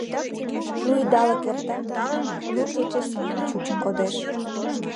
Лу идалык эрта — лу кече семын чучын кодеш.